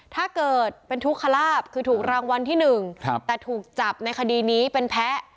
ถ้าเกิดเป็นทุกขลาบคือถูกรางวัลที่๑แต่ถูกจับในคดีนี้เป็นแพ้